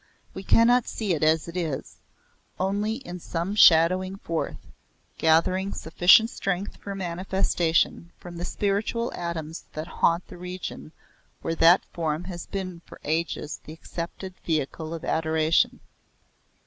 We cannot see it as it is only in some shadowing forth, gathering sufficient strength for manifestation from the spiritual atoms that haunt the region where that form has been for ages the accepted vehicle of adoration.